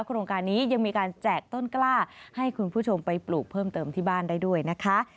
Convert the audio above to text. โครงการนี้ยังมีการแจกต้นกล้าให้คุณผู้ชมไปปลูกเพิ่มเติมที่บ้านได้ด้วยนะคะ